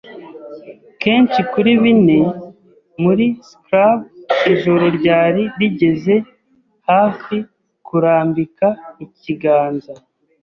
kenshi kuri bine, muri scrub. Ijoro ryari rigeze hafi kurambika ikiganza